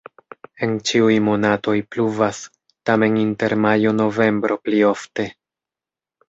En ĉiuj monatoj pluvas, tamen inter majo-novembro pli ofte.